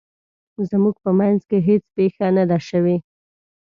زموږ په مینځ کې هیڅ پیښه نه ده شوې